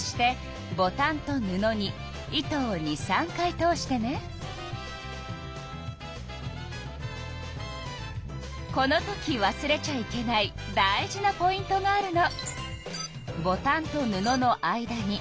そしてこのときわすれちゃいけない大事なポイントがあるの。